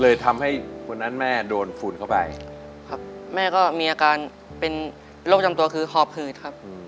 เลยทำให้วันนั้นแม่โดนฝุ่นเข้าไปครับแม่ก็มีอาการเป็นโรคจำตัวคือหอบหืดครับ